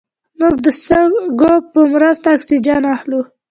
موږ د سږو په مرسته اکسیجن اخلو